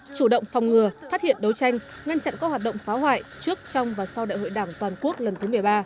chủ động phòng ngừa phát hiện đấu tranh ngăn chặn các hoạt động phá hoại trước trong và sau đại hội đảng toàn quốc lần thứ một mươi ba